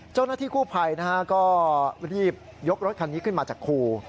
เจ้าหน้าที่กู้ภัยก็รีบยกรถคันนี้ขึ้นมาจากคู